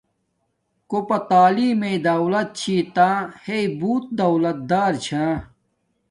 کوپا تعلیم میے دولت چھِی تا ہݵ بوت دولت دار چھا